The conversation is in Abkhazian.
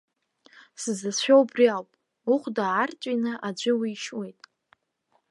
Сзыцәшәо убри ауп, ухәда аарҵәины аӡәы уишьуеит.